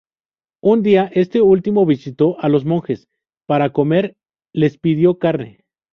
Un día, este último visitó a los monjes y, para comer, les pidió carne.